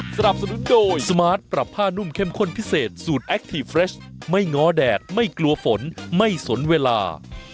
สนับสนุนโดยสมาร์ทปรับผ้านุ่มเข้มข้นพิเศษสูตรแอคทีฟเรชไม่ง้อแดดไม่กลัวฝนไม่สนเวลา